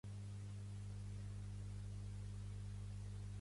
Que fem una mirada profunda?